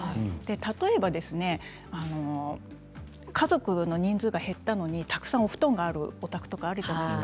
例えば家族の人数が減ったのにたくさんお布団があるお宅があると思います。